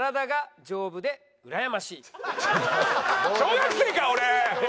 小学生か俺！